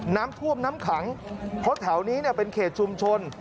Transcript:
น้ำท่วมน้ำขังเพราะแถวนี้เป็นเขตชุมชน